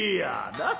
なっ？